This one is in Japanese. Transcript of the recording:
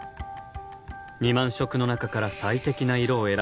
２万色の中から最適な色を選び